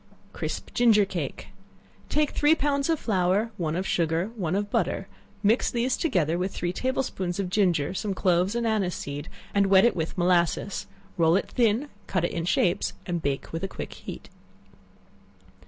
Crisp Ginger cake. Take three pounds of flour, one of sugar, and one of butter; mix these together with three table spoonsful of ginger, some cloves and anise seed, and wet it with molasses; roll it thin; cut it in shapes, and bake with a quick heat.